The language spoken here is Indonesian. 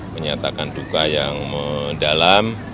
menyatakan duka yang mendalam